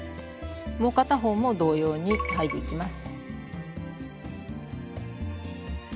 もう片方も同様にはいでいきます。